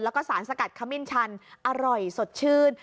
แล้วก็สารสกัดขมิ้นชันอร่อยสดชื่น